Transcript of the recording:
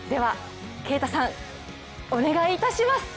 啓太さん、お願いいたします。